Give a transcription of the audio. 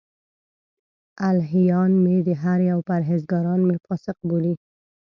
الهیان مې دهري او پرهېزګاران مې فاسق بولي.